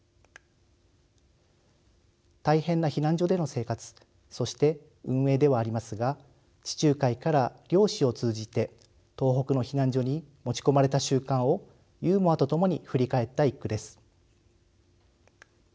大変な避難所での生活そして運営ではありますが地中海から漁師を通じて東北の避難所に持ち込まれた習慣をユーモアと共に振り返った一句です。